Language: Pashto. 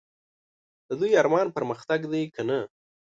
د دوی ارمان پرمختګ دی که نه ؟